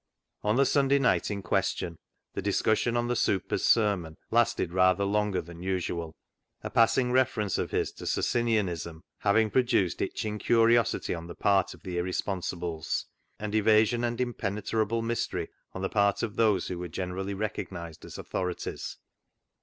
On the Sunday night in question, the dis cussion on the " super's " sermon lasted rather longer than usual, a passing reference of his to Socinianism having produced itching curio sity on the part of the irresponsibles, and evasion and impenetrable mystery on the part of those who were generally recognised as authorities.